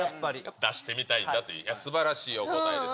出してみたいんだという、いや、すばらしいお答えです。